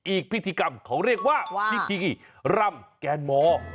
อีกพิธีกรรมเขาเรียกว่าพิธีรำแกนมอร์